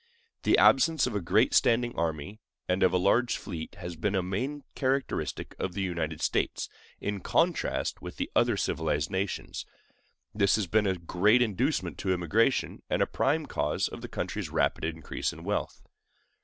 The absence of a great standing army and of a large fleet has been a main characteristic of the United States, in contrast with the other civilized nations; this has been a great inducement to immigration, and a prime cause of the country's rapid increase in wealth.